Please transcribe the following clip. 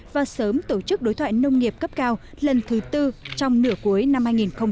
và sớm tổ chức đối thoại nông nghiệp cấp cao lần thứ bốn trong nửa cuối năm hai nghìn một mươi bảy